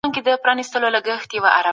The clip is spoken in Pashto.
هغوی د تحقیق په برخه کي لوی ګامونه اخیستي.